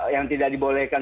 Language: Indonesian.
yang tidak dibolehkan